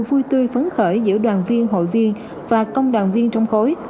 vui tươi phấn khởi giữa đoàn viên hội viên và công đoàn viên trong khối